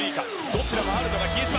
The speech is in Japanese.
どちらもあるのが比江島！